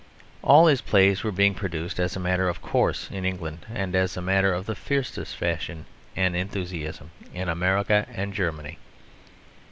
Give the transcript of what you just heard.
All his plays were being produced as a matter of course in England and as a matter of the fiercest fashion and enthusiasm in America and Germany.